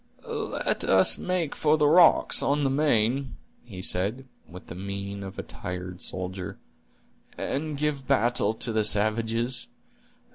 "Let us make for the rocks on the main," he said, with the mien of a tired soldier, "and give battle to the savages.